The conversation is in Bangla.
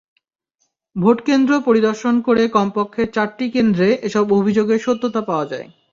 ভোটকেন্দ্র পরিদর্শন করে কমপক্ষে চারটি কেন্দ্রে এসব অভিযোগের সত্যতা পাওয়া যায়।